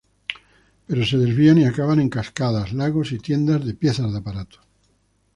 Pero se desvían y acaban en cascadas, lagos y tiendas de piezas de aparatos.